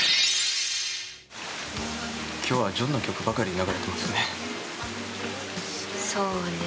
今日はジョンの曲ばかり流れていますね。